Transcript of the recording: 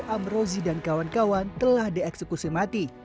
amrozi dan kawan kawan telah dieksekusi mati